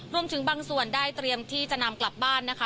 รวมถึงบางส่วนได้เตรียมที่จะนำกลับบ้านนะคะ